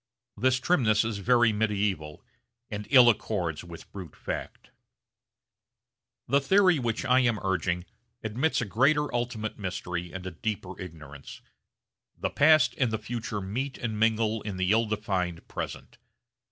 This trimness is very medieval and ill accords with brute fact. The theory which I am urging admits a greater ultimate mystery and a deeper ignorance. The past and the future meet and mingle in the ill defined present.